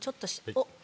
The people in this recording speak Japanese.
おっ！